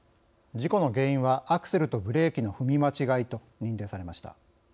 事故の原因はアクセルとブレーキの踏み間違いと認定されました。